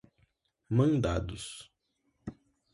mandados